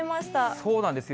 そうなんですよ。